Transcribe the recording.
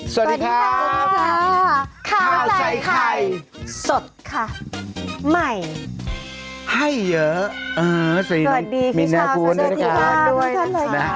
สวัสดีครับ